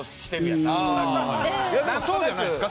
いやでもそうじゃないですか？